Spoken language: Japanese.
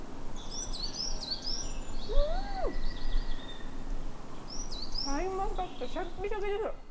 うーん、シャインマスカット、シャッキシャキです。